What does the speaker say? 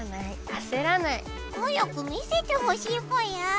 早く見せてほしいぽよ。